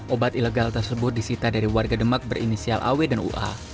obat ilegal tersebut disita dari warga demak berinisial aw dan ua